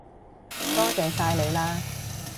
多謝晒你喇